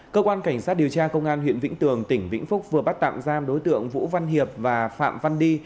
cơ quan cảnh sát điều tra công an huyện vĩnh tường tỉnh vĩnh phúc vừa bắt tạm giam đối tượng vũ văn hiệp và phạm văn đi